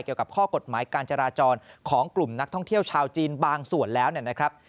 เกี่ยวกับข้อกฎหมายการจราจรของกลุ่มนักท่องเที่ยวชาวจีนบางส่วนแล้วเนี่ยนะครับ